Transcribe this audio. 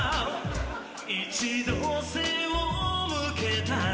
一度背を向けたら